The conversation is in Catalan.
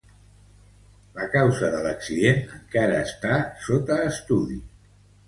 La causa de l'accident encara està sota estudi.